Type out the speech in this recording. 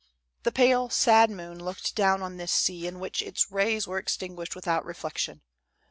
The pale, sad moon looked down on this sea in Avhich its rays were extinguished without reflection.